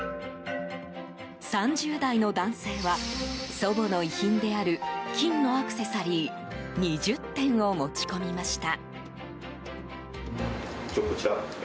３０代の男性は祖母の遺品である金のアクセサリー２０点を持ち込みました。